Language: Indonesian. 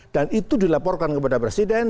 dan itu dilaporkan kepada presiden